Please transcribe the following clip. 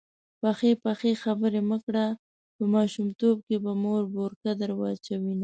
پخې پخې خبرې مه کړه_ په ماشومتوب به مور بورکه در واچوینه